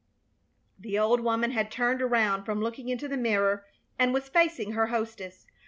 The old woman had turned around from looking into the mirror and was facing her hostess.